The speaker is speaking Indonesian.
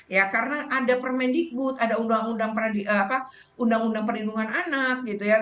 ya karena ada permendikbud ada undang undang perlindungan anak gitu ya